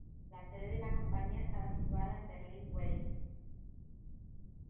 La sede de la compañía estaba situada en Berlín-Wedding.